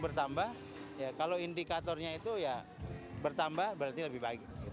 bertambah berarti lebih baik